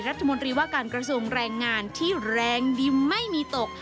รัฐมนตรีว่าการกระทรวงแรงงานที่แรงดิมไม่มีตก